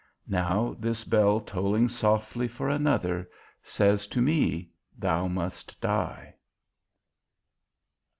_Now, this bell tolling softly for another, says to me: Thou must die.